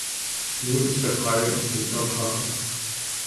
Nun ist er frei und sinnt auf Rache.